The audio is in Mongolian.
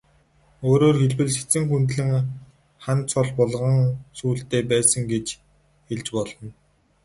Өөрөөр хэлбэл, Сэцэн хүндлэн хан цол булган сүүлтэй байсан гэж хэлж болно.